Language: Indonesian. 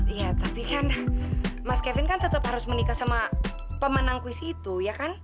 iya tapi kan mas kevin kan tetap harus menikah sama pemenang kuis itu ya kan